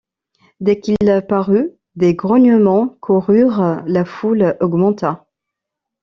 Dès qu’il parut, des grognements coururent, la foule augmenta.